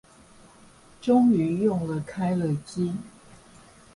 終於用了開了機